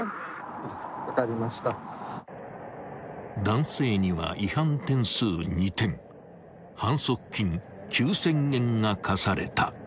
［男性には違反点数２点反則金９，０００円が科された］